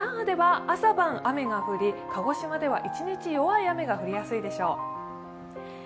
沖縄・那覇では朝晩雨が降り、鹿児島では一日弱い雨が降るでしょう。